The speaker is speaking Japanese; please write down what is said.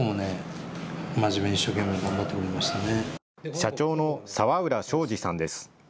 社長の澤浦彰治さんです。